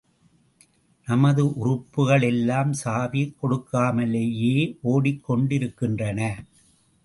நமது உறுப்புகள் எல்லாம் சாவி கொடுக்காமலேயே, ஓடிக் கொண்டிருக்கின்றன.